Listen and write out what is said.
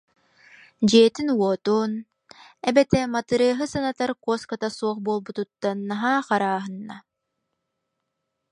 Дьиэтин-уотун, эбэтэ Матырыаһы санатар куоска суох буолбутуттан наһаа харааһынна